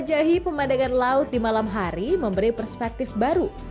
menjahi pemandangan laut di malam hari memberi perspektif baru